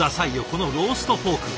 このローストポーク。